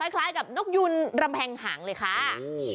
คล้ายกับนกยุงลำเพ็ญหางเลยค่ะ